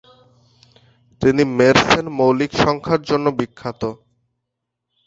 তিনি মের্সেন মৌলিক সংখ্যার জন্য বিখ্যাত।